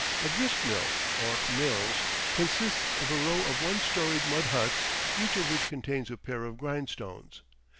A grist mill, or mills, consists of a row of one storied mud huts, each of which contains a pair of grindstones.